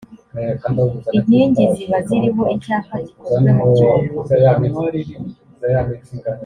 inkingi ziba ziriho icyapa gikozwe mu cyuma